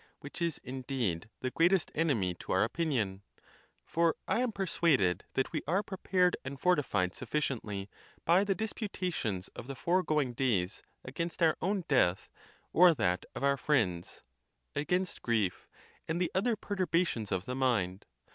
which is, indeed, the greatest enemy to our opinion. For I am persuaded that we are prepared and fortified sufficiently, by the disputations of the foregoing days, against our own death or that of our friends, against. grief, and the other perturbations of the mind.